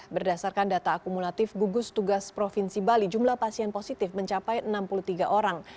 berdasarkan data akumulatif gugus tugas provinsi bali jumlah pasien positif mencapai enam puluh tiga orang